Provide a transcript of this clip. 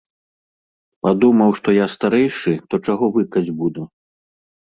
Падумаў, што я старэйшы, то чаго выкаць буду.